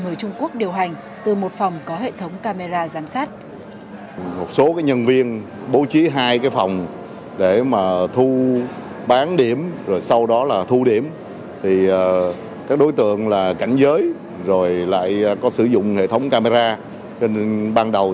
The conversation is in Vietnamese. người trung quốc điều hành từ một phòng có hệ thống camera giám sát